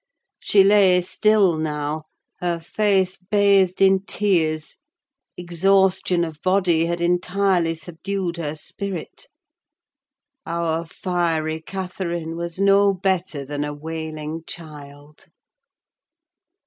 She lay still now, her face bathed in tears. Exhaustion of body had entirely subdued her spirit: our fiery Catherine was no better than a wailing child.